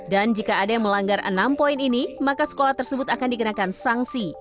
dan jika ada yang melanggar enam poin ini maka sekolah tersebut akan dikenakan sanksi